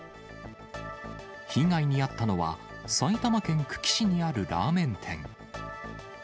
被害に遭ったのは、埼玉県久喜市にあるラーメン店。